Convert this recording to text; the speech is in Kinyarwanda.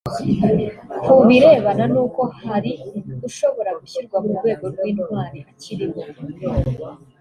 Ku birebana n’uko hari ushobora gushyirwa mu rwego rw’intwari akiriho